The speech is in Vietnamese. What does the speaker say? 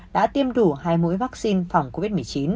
đã tiêm đủ hai mũi vaccine phòng covid một mươi chín